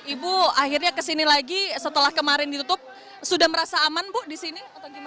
ibu akhirnya kesini lagi setelah kemarin ditutup sudah merasa aman bu disini